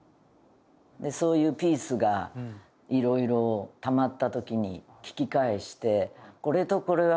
そういうピースがいろいろたまった時に聴き返して。